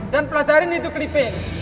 dan pelajarin itu clipping